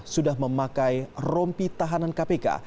sudah memakai rompi tahanan kpk